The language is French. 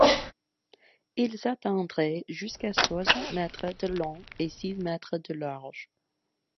Ils atteindraient jusqu'à soixante mètres de long et six mètres de large.